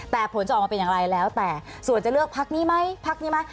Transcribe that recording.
แต่ผลจะออกมาเป็นอย่างไรแล้วแต่ส่วนจะเลือกพักนี้ไหมพักนี้ไหม